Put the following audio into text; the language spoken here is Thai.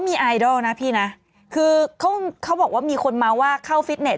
มีไอดอลนะพี่นะคือเขาเขาบอกว่ามีคนเมาส์ว่าเข้าฟิตเน็